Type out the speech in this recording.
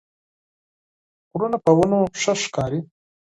غرونه په ونو ښه ښکاري